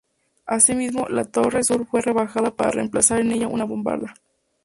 Así mismo, la torre sur fue rebajada para emplazar en ella una bombarda.